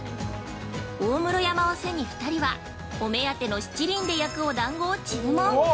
大室山を背に、２人は、お目当ての七輪で焼くお団子を注文。